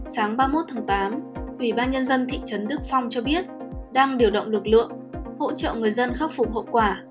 sáng ba mươi một tháng tám ủy ban nhân dân thị trấn đức phong cho biết đang điều động lực lượng hỗ trợ người dân khắc phục hậu quả